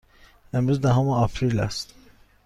امروز دهم آپریل است.